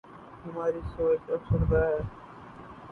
ہماری سوچ فرسودہ ہے۔